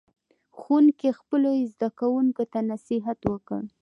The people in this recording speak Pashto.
ښوونکي خپلو زده کوونکو ته نصیحت وکړ.